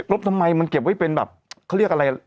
ลบทำไมมันเก็บไว้เป็นแบบเขาเรียกอะไร